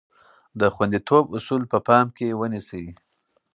د خوندیتوب اصول په پام کې ونیسئ.